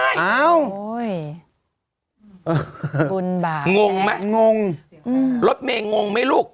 อ้าวโอ้ยบุญบ่ายงงไหมงงอืมรถเมงงงไหมลูก